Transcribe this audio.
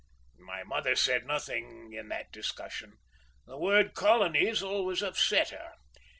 My mother said nothing in that discussion. The word colonies always upset her.